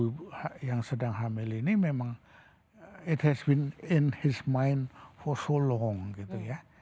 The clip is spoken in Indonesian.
ibu yang sedang hamil ini memang it has win in his mind for solong gitu ya